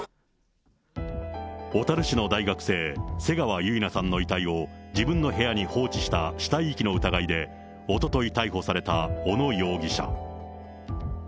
小樽市の大学生、瀬川結菜さんの遺体を自分の部屋に放置した死体遺棄の疑いで、おととい逮捕された小野容疑者。